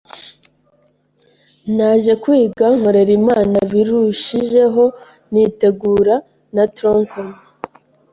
Naje kwiga nkorera Imana birushijeho nitegura na tronc commun